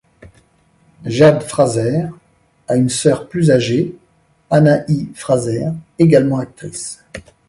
Jade Fraser a une sœur plus âgée, Anahi Fraser, également actrice.